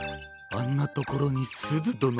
あんなところにすずどのが！